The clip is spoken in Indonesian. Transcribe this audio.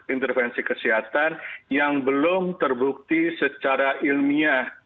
intervensi kesehatan yang belum terbukti secara ilmiah